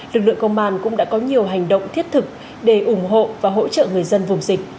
lực lượng công an cũng đã có nhiều hành động thiết thực để ủng hộ và hỗ trợ người dân vùng dịch